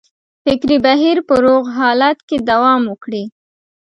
فکري بهیر په روغ حالت کې دوام وکړي.